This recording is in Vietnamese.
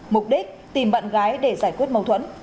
mục đích tìm bạn gái để giải quyết mâu thuẫn